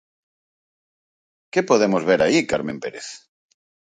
Que podemos ver aí, Carmen Pérez?